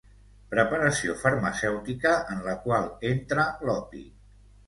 Preparació farmacèutica en la qual entra l'opi.